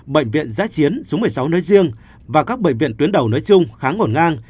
bệnh viện giãi chiến xuống một mươi sáu nơi riêng và các bệnh viện tuyến đầu nơi chung khá ngổn ngang